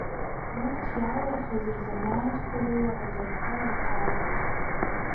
Урҭ иалырхыз рзанааҭқәа рыла аҵарақәа ирҭалоит.